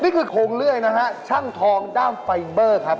นี่คือโขงเรื่อยนะฮะเช่นทองด้ามไฟเบอร์ครับ